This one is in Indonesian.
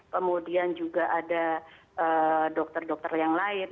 kemudian juga ada dokter dokter yang lain